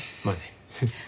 まあね。